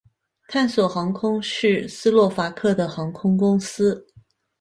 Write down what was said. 探索航空是斯洛伐克的航空公司。